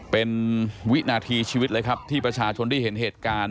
เป็นวินาทีชีวิตเลยครับที่ประชาชนที่เห็นเหตุการณ์